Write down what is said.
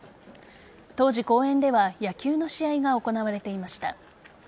当時、公園では野球の試合が行われていました。